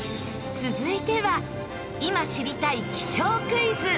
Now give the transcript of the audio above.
続いては今知りたい気象クイズ。